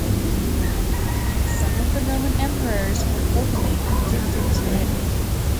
Some of the Roman emperors were openly addicted to it.